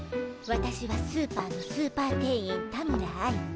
私はスーパーのスーパー店員田村愛。